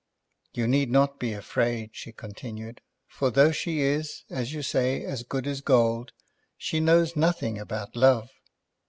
"You need not be afraid," she continued, "for though she is, as you say, as good as gold, she knows nothing about love.